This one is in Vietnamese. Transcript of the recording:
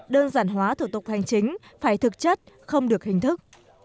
đơn giản hóa thủ tục hành chính phải thực chất không được hình thức